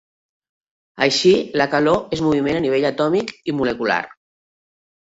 Així, la calor és moviment a nivell atòmic i molecular.